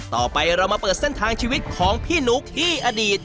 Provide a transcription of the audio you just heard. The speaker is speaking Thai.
ต่อไปเรามาเปิดเส้นทางชีวิตของพี่นุ๊กที่อดีต